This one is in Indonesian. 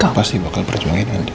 kamu pasti bakal perjuangin adem